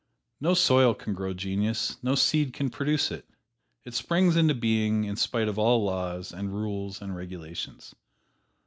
No soil can grow genius, no seed can produce it it springs into being in spite of all laws and rules and regulations.